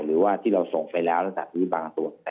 หรือว่าที่เราส่งไปแล้วตั้งแต่บางส่วน